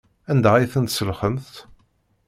Anda ay ten-tselxemt?